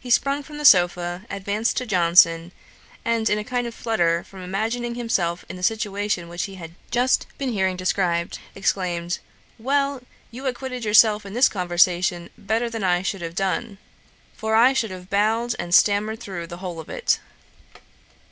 He sprung from the sopha, advanced to Johnson, and in a kind of flutter, from imagining himself in the situation which he had just been hearing described, exclaimed, 'Well, you acquitted yourself in this conversation better than I should have done; for I should have bowed and stammered through the whole of it.'